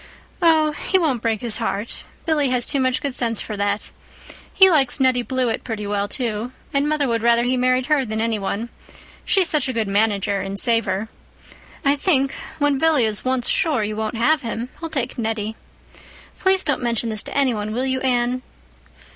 "Oh, he won't break his heart. Billy has too much good sense for that. He likes Nettie Blewett pretty well, too, and mother would rather he married her than any one. She's such a good manager and saver. I think, when Billy is once sure you won't have him, he'll take Nettie. Please don't mention this to any one, will you, Anne?"